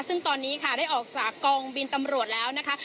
ซึ่งตอนนี้ค่ะได้ออกจากกองบินตำรวจแล้วนะคะ